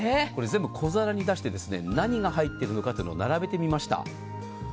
前の小皿に出して何が入っているのか並べてみました。